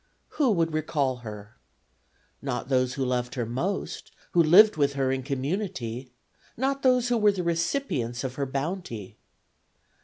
Who would recall her? Not those who loved her most, who lived with her in community; not those who were the recipients of her bounty.